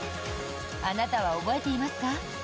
あなたは覚えていますか？